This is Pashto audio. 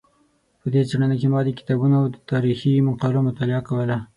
په دې څېړنه کې ما د کتابونو او تاریخي مقالو مطالعه کوله.